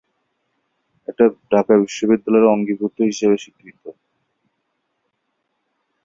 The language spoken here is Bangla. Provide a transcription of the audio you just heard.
এটি ঢাকা বিশ্ববিদ্যালয়ের অঙ্গীভূত হিসাবে স্বীকৃত।